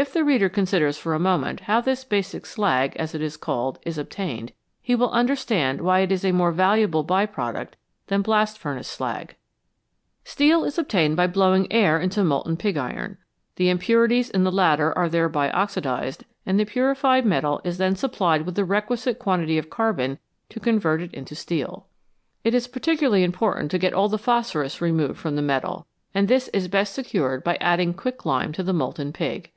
If the reader considers for a moment how this basic slag, as it is called, is obtained, he will understand why it is a more valuable by product than blast furnace slag. Steel is obtained by blowing air into molten pig iron ; the impurities in the latter are thereby oxidised, and the purified metal is then supplied with the requisite quantity of carbon to convert it into steel. It is par THE VALUE OF THE BY PRODUCT ticularly important to get all the phosphorus removed from the metal, and this is best secured by adding quicklime to the molten pig.